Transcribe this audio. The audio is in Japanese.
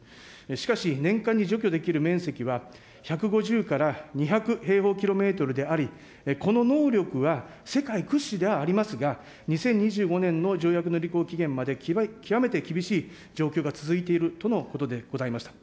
しかし、年間に除去できる面積は１５０から２００平方キロメートルであり、この能力は世界屈指ではありますが、２０２５年の条約の履行期限まで、極めて厳しい状況が続いているとのことでございました。